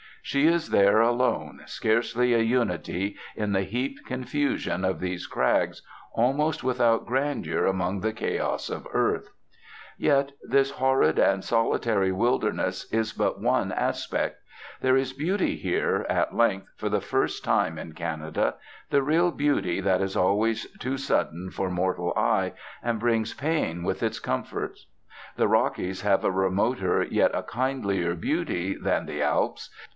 She is there alone, scarcely a unity in the heaped confusion of these crags, almost without grandeur among the chaos of earth. Yet this horrid and solitary wildness is but one aspect. There is beauty here, at length, for the first time in Canada, the real beauty that is always too sudden for mortal eyes, and brings pain with its comfort. The Rockies have a remoter, yet a kindlier, beauty than the Alps.